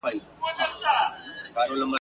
نه هوسيو غوندي ښكلي نجوني غورځي !.